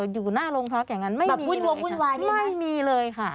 อยู่หน้าโรงพลาคอย่างงั้นไม่มีเลยแบบรวมรวมวุ่นวายไม่มีเลยค่ะ